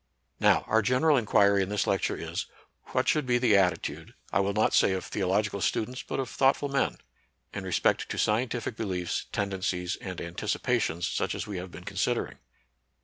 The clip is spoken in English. Now, our general inquiry in this lecture is, What should be the attitude, I will not say of theological students, but of thoughtful men, in respect to scientific beliefs, tendencies, and anticipations;^ such as we have been consid ering